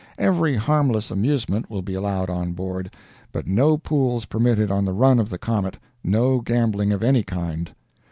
Every harmless amusement will be allowed on board, but no pools permitted on the run of the comet no gambling of any kind.